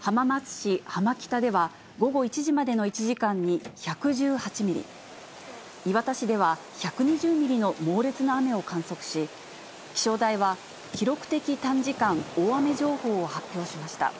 浜松市浜北では午後１時までの１時間に１１８ミリ、磐田市では１２０ミリの猛烈な雨を観測し、気象台は記録的短時間大雨情報を発表しました。